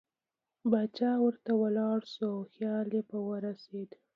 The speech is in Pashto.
باچا ورته ولاړ شو او خیال یې په ورسېد.